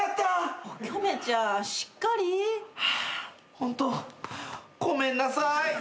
ホント米んなさい。